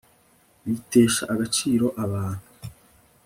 bitesha agaciro abantu